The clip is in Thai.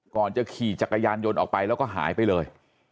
ก่อนจะขี่จักรยานยนต์ออกไปแล้วก็หายไปเลย